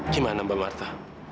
gimana mbak marta